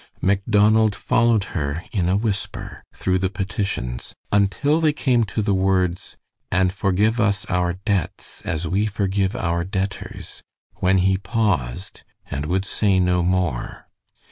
Macdonald followed her in a whisper through the petitions until they came to the words, "And forgive us our debts as we forgive our debtors," when he paused and would say no more.